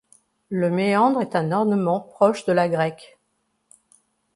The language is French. Le méandre est un ornement proche de la grecque.